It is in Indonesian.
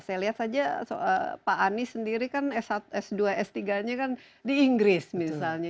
saya lihat saja pak anies sendiri kan s dua s tiga nya kan di inggris misalnya